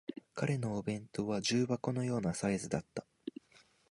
彼のお弁当は重箱のようなサイズだった